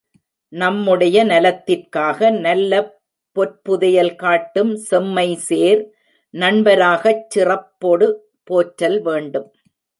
நம்முடை நலத்திற் காக நல்லபொற் புதையல் காட்டும் செம்மைசேர் நண்ப ராகச் சிறப்பொடு போற்றல் வேண்டும்.